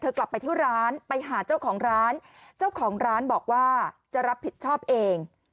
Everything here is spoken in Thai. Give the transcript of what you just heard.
กลับไปที่ร้านไปหาเจ้าของร้านเจ้าของร้านบอกว่าจะรับผิดชอบเอง